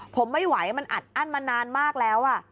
ผมไม่ไหวมันอัดอั้นมานานมากแล้ว